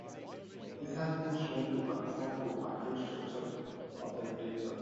This has been shown to confirm to micro-structure of the materials.